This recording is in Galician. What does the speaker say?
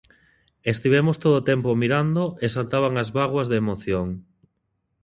Estivemos todo o tempo mirando e saltaban as bágoas de emoción.